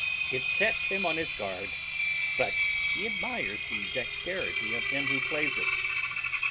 It sets him on his guard, but he admires the dexterity of him who plays it.